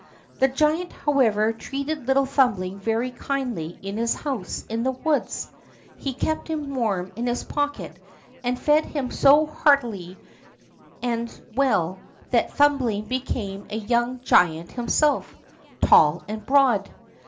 The giant, however, treated little Thumbling very kindly in his house in the woods. He kept him warm in his pocket, and fed him so heartily and well that Thumbling became a young giant himself, tall, and broad.